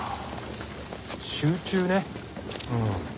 集中ねうん。